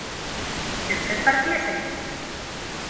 ¿que usted partiese?